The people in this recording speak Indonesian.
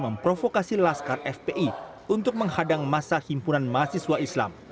memprovokasi laskar fpi untuk menghadang masa himpunan mahasiswa islam